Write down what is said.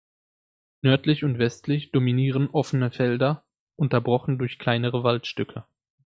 Nördlich und westlich dominieren offene Felder, unterbrochen durch kleinere Waldstücke.